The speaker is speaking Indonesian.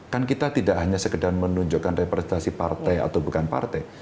kan kita tidak hanya sekedar menunjukkan representasi partai atau bukan partai